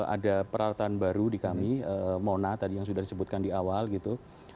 ada peralatan baru di kami mona tadi yang sudah disebutkan di awal gitu